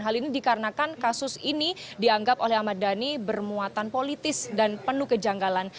hal ini dikarenakan kasus ini dianggap oleh ahmad dhani bermuatan politis dan penuh kejanggalan